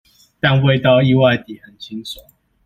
但味道意外地很清爽